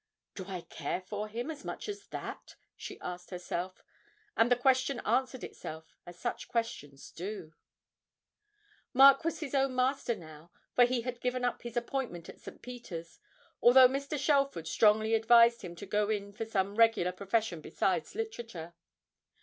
'Do I care for him as much as that?' she asked herself, and the question answered itself as such questions do. Mark was his own master now, for he had given up his appointment at St. Peter's, although Mr. Shelford strongly advised him to go in for some regular profession besides literature.